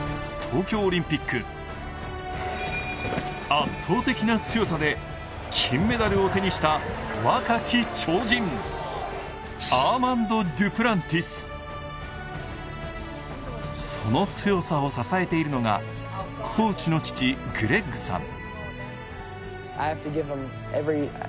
圧倒的な強さで金メダルを手にした若き超人その強さを支えているのがコーチの父グレッグさん